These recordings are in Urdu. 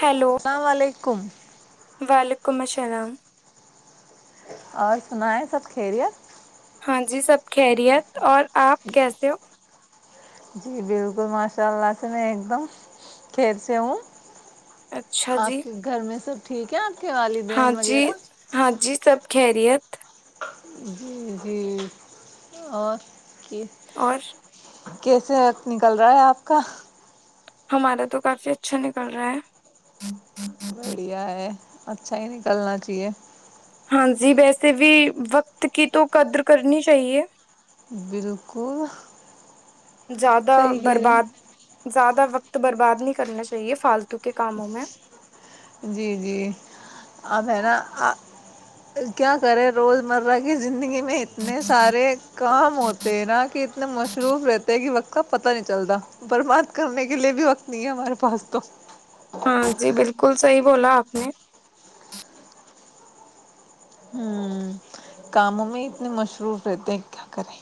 ہیلو علیکم کم وعلیکم السلام اور سنا ہے سب خھیریت ہاں جی سب خیریت اور آپ کیسے ہو جی بالکل ماشاء اللہ سے میں ایک دم کھییر سے ہوں اچھا جی آپ کے گھر میں سب ٹھیک ہے کے ہاں والدین جی وغیرہ ہاں جی سب خیریت جی جی اور کہ اور کیسے نکل رہا ہے آپ کا ہمارا تو کافی اچھا نکل رہا ہے بڑھیا ہے اچھا ہی نکلنا چاہیے ہاں جی ویسے بھی وقت کی تو قدر کرنی چاہیے بالکل زیادہ صحیح کر رہے ہیں برباد زیادہ وقت برباد نہیں کرنا چاہیے فالتو کے کاموں میں جی جی اب ہے نا کیا کریں روز مرہ کی زندگی میں اتنے سارے کام ہوتے نا کہ اتنے مصروف رہتے ہیں کہ وقت کا پتا نہیں چلتا برباد کرنے کے لیے بھی وقت نہیں ہے ہمارے پاس تو ہاں جی بالکل صحی بولا آپ نے ہوں کاموں میں اتنے مشروف رہتے ہیں کیا کریں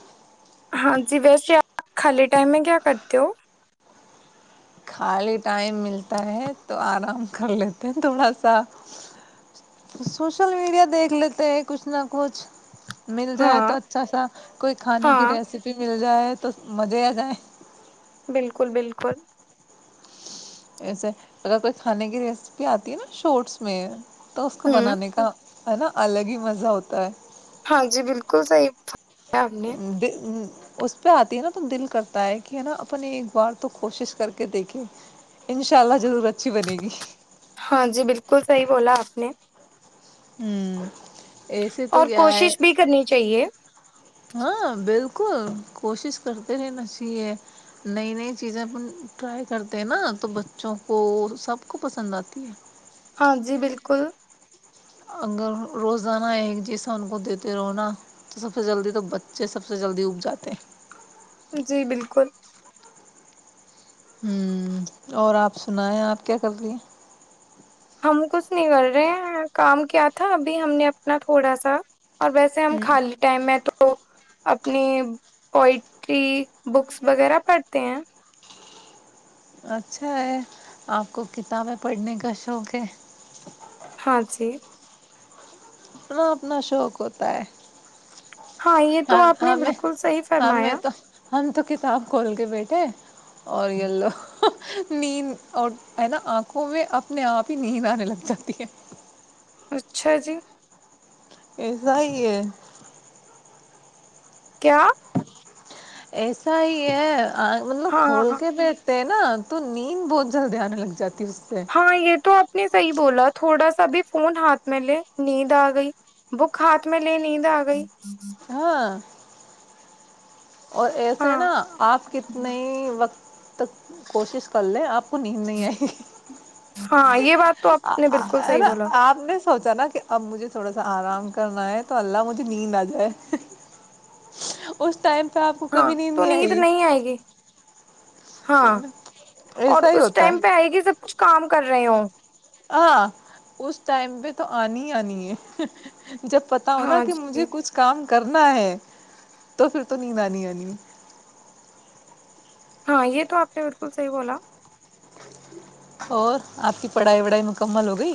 ہاں جی ویسے آپ خالی ٹائم میں کیا کرتے ہو خالی ٹائم ملتا ہے تو آرام کر لیتے ہیں تھوڑا سا سوشل میڈیا دیکھ لیتے ہیں کچھ نہ کچھ مل جائے ہاں تو اچھا سا کوئی کھانے کی ہاں ریسیپی مل جائے تو مزے جائ بالکل بالکل ایسے اگر کوئی کھانے کی ریسیپی آتی ہے نا شارٹس میں تو اس کو ہوں بنانے کا ہے نا الگ ہی مزہ ہوتا ہے ہاں جی بالکل سیح [inaudible] اس پہ آتی ہے نا ت دل کرتا ہے کہ ہے نا اپنے ایک بار تو کوشش کر کے دیکھے ان شاء اللہ ضرورت ہاں جی بالکل صحیح بولا آپ [inaudible] ہوں ایسے تو اور کیا ہے کوشش بھی کرنی چاہیے ہاں بالکل بالکل کوشش کرتے رہ نچیے نئی نئی چیزیں ٹرائی کرتے ہیں نا تو بچوں کو سب کو پسند آتی ہے ہاں جی بالکل اگر روزانہ ایک جیسا ان کو دیتے رونا تو سب سے جلدی تو بچے سب سے جلدی اگ جاتے جی بالکل ہمم اور آپ سنائیں آپ کیا کر رہے ہم کچھ نہیں کر رہے کام کیا تھا ابھی ہم نے اپنا تھوڑا سا اور ویسے ہم ہوں خالی ٹائم میں تو تو اپنی پوئٹری بکس وغیرہ پڑھتے ہیں اچھا ہے آپ کو کتابیں پڑھنے کا شوق ہے ہاں جی اپنا اپنا شوق ہوتا ہے ہاں یہ تو ہم آپ نے ہمیں بلکل صحیح ہمیں فرمایا تو ہم تو کتاب کھول کے بیٹھے اور یلو نیند اور ہے نا آنکھوں میں اپنے آپ ہی نیند آنے لگ جاتی ہے اچھا جی ایسا ہی ہے کیا ایسا ہی ہے آ مطلب ہاں کھول ہاں کے بیٹھ ہینا تو نیند بہت جلدی آنے لگ جاتے ہاں یہ تو اپنے صحیح بولا تھوڑا سا بھی فون ہاتھ میں لے نیند آ گئی بک ہاتھ میں لے نیند آ گئی ہاں اور ایسے ہاں نا آپ کتنے وقت تک کوشش کر لیں آپ نیند نہیں آئی ہاں یہ بات تو آپ نے بالکل صحیح ہینا بولا آپ نے سوچا نا کہ اب مجھے تھوڑا سا آرام کرنا ہے تو اللہ مجھے نیند آ جائے اس ٹائم پہ آپ کو ہاں کبھی تو آئے نیند نہیں آئے گی ہاں گی اور ایسا ہی اس ہوتا ہے ٹائم پہ آئے گی سب کام کر رہی ہوں ہاں اس ٹائم پہ تو آنی ہی آنی ہے جب پتا ہوناا ہاں کہ جی مجھے کچھ کام کرنا ہے تو پھر تو نینداانی آنی ہے ہاں یہ تو آپ نے بلکل صحی بولا اور آپ کی پڑھائی وڑھائی مکمل ہو گئی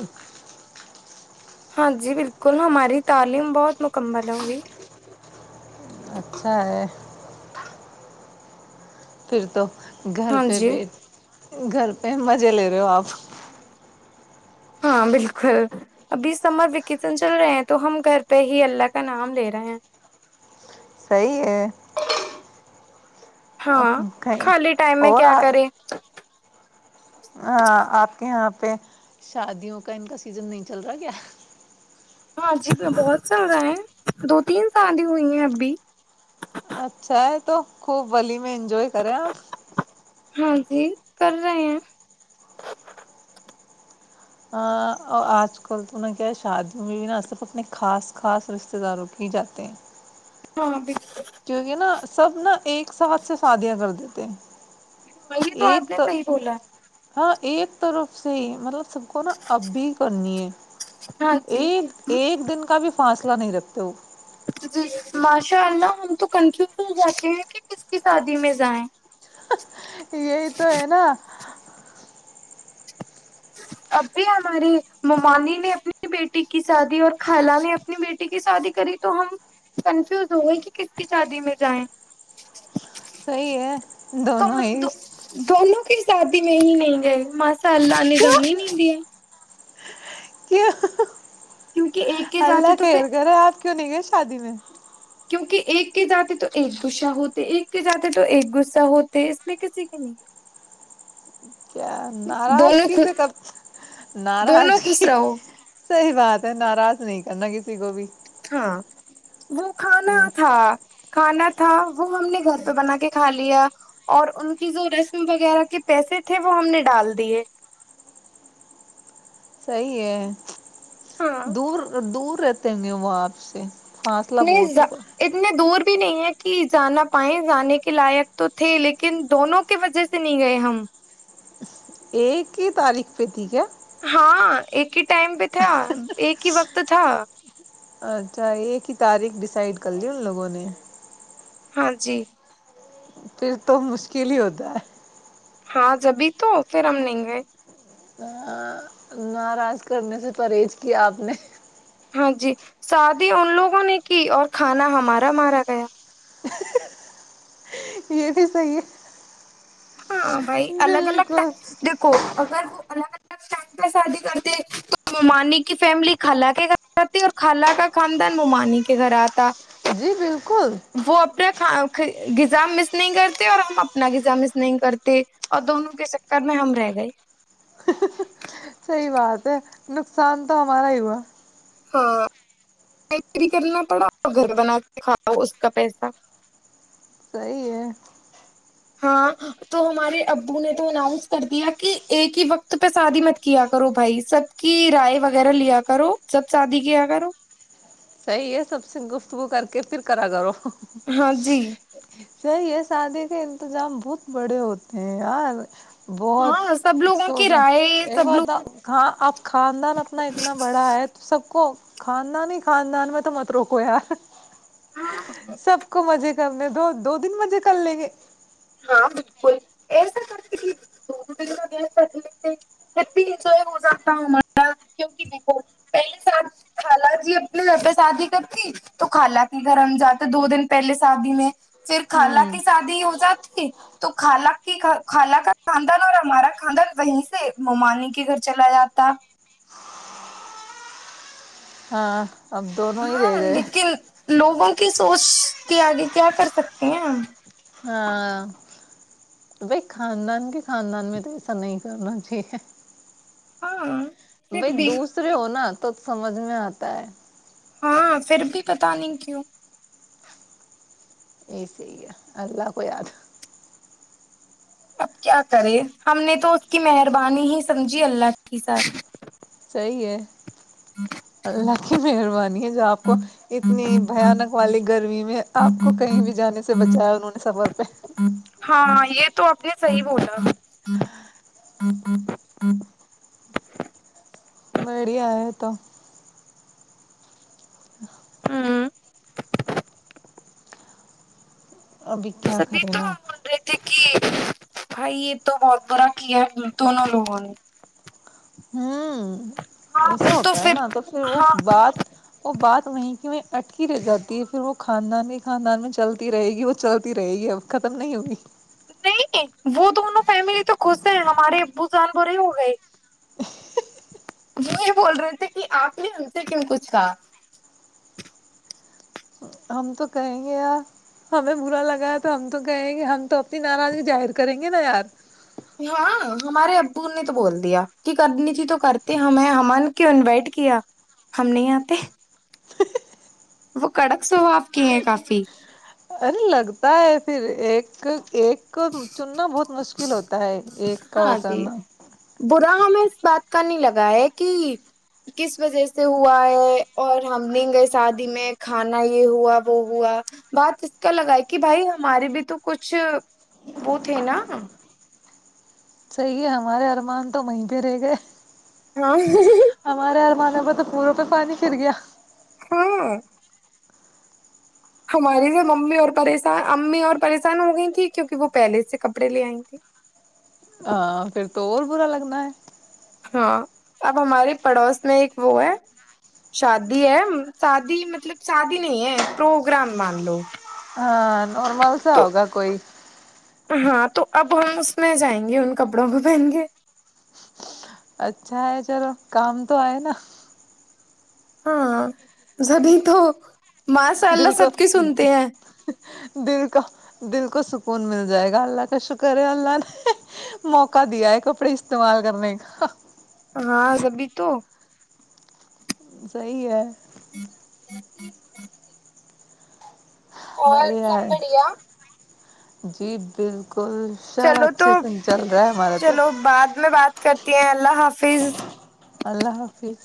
ہاں جی بلکل ہماری تعلیم بہت مکمل ہوگی اچھا ہے پھر تو گھر ہاں پہ جی بھیہ گھر ا مزے لے رہے ہو آپ ہاں بلکل ابھی سمر ویکیشن چل رہے ہیں تو ہم گھر پہ ہی اللہ کا نام لے رہے ہیں صیح ہے ہاں اب کہیں خالی ٹائم میں کیا کرے ہ آپ کے یہاں پہ شادیوں کا ان کا سیزن نہیں چل رہا کیا ہاں جی میں بہت چل رہا ہے دو تین سال ہی ہوئی ہیں ابھی اچھا ہے تو خوب ولی میں انجوائے کرے آپ ہاں جی کر رہے ہیں آج کل انہیں کیا ہے شادیوں میں بھی نہ صرف اپنے خاص خاص رشتے داروں کے ہی جاتے ہیں ہاں پ [inaudible] سبچ سے شادیاں کر دیتے ہیں وہی تو آپ نے صحی بولا ہاں ایک طرف سے ہی مطلب سب کو نا اب بھی کرنی ہے ہاں جی ایک ایک دن کا بھی [unintelligible] فاصلہ نہیں رکھتے ہو جی ماشاء اللہ ہم تو کنفیوز ہو جاتے ہیں کہ کس کی شادی میں جائیں یہی تو ہے نا اب بھی ہماری ممانی نے اپنی بیٹی کی شادی اور خالہ نے اپنی بیٹی کی شادی کری تو ہم کنفیوز ہو گئے کہ کتنی شادی میں جائیں صحی ہے تو دونوں ہم ہی دو دونوں شادی میں ہی نہیں گئے ماشاء اللہ نے کیوں کرنی ہی نہیںتی ہے کیوں کیونکہ ایک کے جاتے اللہ تو پھر کیئر کرے آپ کیوں نہیں گئے شادی میں کیونکہ ایک کے جاتے تو ایک گصہ ہوتے ایک کے جاتے تو ایک گصہ ہوتے اس میں کسی کے نہیں ہے ناراضگی سے ک دونوں خوش ناراضگی رہو صحی بات ہے ناراض نہیں کرنا ک سی گوب [unintelligible] ہاں وہ کھانا تھا کھانا تھا وہ ہم نے گھر پہ بنا کے کھا لیا اور ان کی جو رسم وغیرہ کے پیسے تھے وہ ہم نے ڈال دیے صحی ہے ہاں دور دور [inaudible] رہتے ہوں گے وہاں آپ سے فاصلہ نہیں بہت ہوگا اتنے دور بھی نہیں ہے کہ جانا پائائے جانے کے لائق تو تھے لیکن دونوں کی وجہ سے نہیں گئے ہم یہ کی تاریخ پہتی کیا ہے ہاں ایک ہی ٹائم پہ تھا ایک ہی وقت تھا اچھا ایک ہی تاریخ ڈیسائڈ کر لی ان لوگوں نے ہاں جی پھر تو مشکل ہی ہوتا ہے ہاں جبھی تو پھر ہم نہیں گئے ناراض کرنے سے پرہیز کیا آپ نے ہاں جی شادی ان لوگوں نے کی اور کھانا ہمارا مارا گیا یہ بھی صحی ہے ہاں [unintelligible] بھائی الگ الگ بالکل دیکھو اگر وہ الگ الگ ٹائم پہ شادی کرتے تو مومانی کی فیملی خالہ کے گھر آتی اور خالہ کا خاندان مومانی کے گھر آتا ہی [unintelligible] وہ اپبنا غذا مس نہیں کرتے اور ہم اپنا غذا مس نہیں کرتے اور دونوں کے چکر میں ہم رہ گئے صحیح بات ہے نقصان تو ہمارا ہی ہوا ہاں بھی کرنا پڑا اور گھر بنا کے کھاؤ اس کا پیسہ صحی ہے ہاں تو ہمارے ابو نے تو اناؤنس کر دیا کہ ایک ہی وقت پہ شادی مت کیا کرو بھائی سب کی رائے وغیرہ لیا کرو سب شادی کیا کرو صحی ہے سب سے گفتگو کر کے پھر کرا کرو ہاں جی [unintelligible] یہ شادی کے انتظام بہت بڑے ہوتے ہیں یار بہت ہاں سب لوگوں کی سوچنا رائے ایک سب بار لوگ تھا کا آپ [unintelligible] خاندان اپنا اتنا بڑا ہے تو سب کو کھانا نہیں خاندان میں تو مت روکو یار ہاں سب کو مزے کرنے دو دو تین مجے کر لیں گے ہاں بالکل س [unintelligible] انجوائے ہو جاتا ہ ہمارا کیکہ دیکھو پہلیے سال خ جی اپنے گھر پہ شادی کرتی تو خالہ کے گھر ہم جاتے دو دن پہلے شادی میں پھر خالہ ہوں کی شادی ہو جاتی تو خال کی خالہ کا خاندان اور ہمارا خاندان وہیں سے مومانی کے گھر چلا جاتا ہاں [unintelligible] ہی ہاں رہ گئے لیکن لوگوں کو کی سوچ کے آگے کیا کر سکتے ہیں ہم ہاں بائی خاندان کے خاندان میں تو ایسا نہیں کرنا چاہ [unintelligible] ہاں [unintelligible] بائی بھی دوسرے ہو نا تب سمجھ میں آتا ہے ہاں پھر بھی بتا نہیں کیوں یہ صحی ہے اللہ کو یاد اب کیا کرے ہم نے تو اس کی مہربانی ہی سمجھی اللہ کی سات رہی ہے اللہ کی مہربانی ہے جو آپ کو اتنی بھیانک والی گرمی میں آپ کو کہیں بھی جانے سے بچایا انہوں نے سفر پہ ہاں یہ تو آپ نے صحی بولا ہ ہ ہ ہ بڑیا ہے تو ہاں ابھی کیا سبھی کرے تو نا ہم بول رہے تھے کہ بھائی یہ تو بدبرا کی ہے دتون لوگون ہوں ایسا ہوتا ہے نا تو پھر وہ ہاں بات وہ بات وہیں کہ اٹکی رہ جاتی ہے پھر وہ خاندان ہی خاندان میں چلتی رہے گی وہ چلتی رہے گی اب ختم نہیں ہوئی نہیں وہ دونوں فیملی تو خش ہیں ہمارے ابو جان برے ہو گئے وہ یہ بول رہے تھے کہ آپ نے ان سے کن کچھ کہا ہم تو کہیں گے یار ہمیں برا لگا ہے تو ہم تو کہیں گے ہم تو اپنی ناراضگی ظاہر کریں گے نا یار ہاں ہمارے ابو نے تو بول دیا کہ کرنی تھی تو کرتے ہمیں ہمن کیوں انوائٹ کیا ہم نہیں آتے وہ کڑک سوواپ کی ہیں کافی ارے لگتا ہے پھر ایک ایک کو چننا بہت مشکل ہوتا ہے ایک کا وہ ہاں جی کرنا برا ہمیں اس بات کا نہیں لگا ہے کہ کس وجہ سے ہوا ہے اور ہم نہیں گئے شادی میں کھانا یہ ہوا وہ ہوا بات اس کا لگا ہے کہ بھائی ہمارے بھی تو کچھ وہ تھے نا صحیح ہے ہمارے ارمان تو وہیں پہ رہ گئے ہاں ب تو پوروں پہ پانی پر گیا ہاں ہماری سے امی اور پشان امی اور پریشان ہو گئی تھی کیونکہ وہ پہلے سے کپڑے لے آئ تھھی ہاں پھر تو اور برا لگنا ہے ہاں اب ہمارے پڑوس میں ایک وہ ہے شادی ہے شادی مطلب شادی نہیں ہے پروگرام مان لو ہ نارمل س تو ہوگا کوئی ہاں تو اب ہم اس میں جائیں گے ان کپڑوں کو پہن گے اچھا ہے چلو کام تو آئے نا ہاں سبھی تو ماںسء اللہ دل سب کو کی سنتے ہیں دل کا دل کو سکون مل جائے گا اللہ کا شکر ہے اللہ نے موقع دیا ہے کپڑے استعمال کرنے کا ہاں سبھی تو صحی ہے ہ اور سب بڑھیا ہے بڑھیا جی بالکل گلشب چلو اچھے تو سے چل رہا ہے ہمارا تو چلو بعد میں بات کرتی اللہ حافظ [inaudible] اللہ حافظ